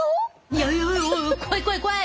いやいや怖い怖い怖い！